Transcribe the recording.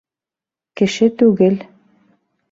— Кеше түгел.